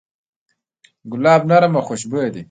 ګلاب نرم او خوشبویه دی.